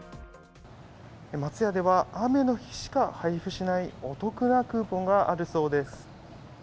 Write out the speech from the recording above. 松屋では雨の日しか配布しないお得なクーポンがあるそうです。